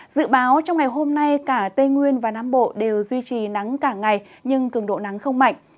dự báo trong ngày hôm nay cả tây nguyên và nam bộ đều duy trì nắng cả ngày nhưng cường độ nắng không mạnh